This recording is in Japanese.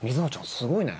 すごいね。